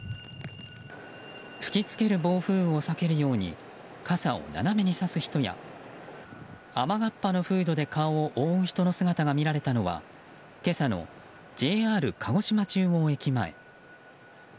吹き付ける暴風雨を避けるように傘を斜めにさす人や雨がっぱのフードで顔を覆う人の姿が見られたのは今朝のＪＲ鹿児島中央駅前。